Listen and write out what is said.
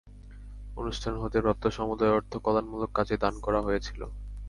অনুষ্ঠান হতে প্রাপ্ত সমুদয় অর্থ কল্যাণমূলক কাজে দান করা হয়েছিল।